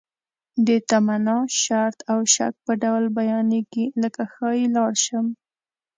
د تمنا، شرط او شک په ډول بیانیږي لکه ښایي لاړ شم.